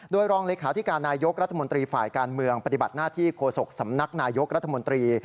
โดยรองเลขาธิการนายกรัฐมนตรีฝ่ายการเมืองปฏิบัติหน้าที่โฆษกสำนักนายกรัฐมนตรี